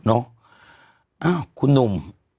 อ้าวคุณหนุ่ม